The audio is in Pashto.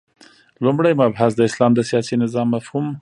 لومړی مبحث : د اسلام د سیاسی نظام مفهوم